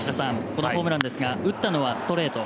このホームランですが打ったのはストレート。